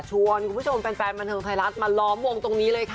ชวนคุณผู้ชมแฟนบันเทิงไทยรัฐมาล้อมวงตรงนี้เลยค่ะ